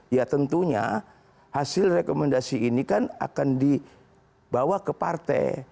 ya tentunya hasil rekomendasi ini kan akan dibawa ke partai